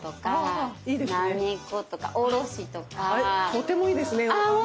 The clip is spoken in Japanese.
とてもいいですね。